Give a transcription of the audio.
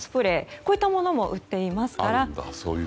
こういったものも売っていますから。